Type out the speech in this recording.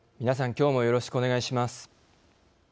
きょうもよろしくお願いします。